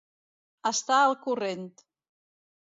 Estar al corrent.